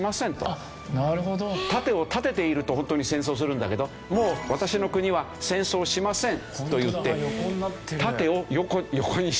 盾を立てていると本当に戦争するんだけどもう私の国は戦争しませんといって盾を横にしてる。